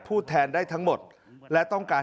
ผู้แทนได้ทั้งหมดและต้องการ